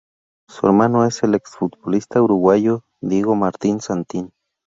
Su hermano es el exfutbolista uruguayo Diego Martín Santín.